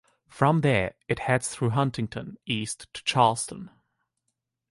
From there, it heads through Huntington east to Charleston.